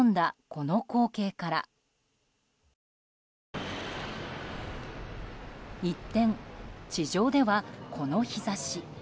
この光景から一転、地上ではこの日差し。